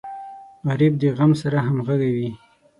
غریب د غم سره همغږی وي